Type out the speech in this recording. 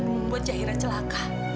dan membuat cahira celaka